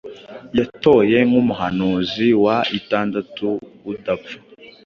yatoye nk’umuhanzi wa itandatu udapfa